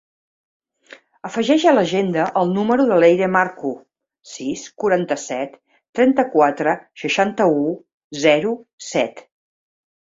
Afegeix a l'agenda el número de l'Eire Marcu: sis, quaranta-set, trenta-quatre, seixanta-u, zero, set.